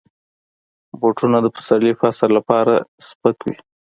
بوټونه د پسرلي فصل لپاره سپک وي.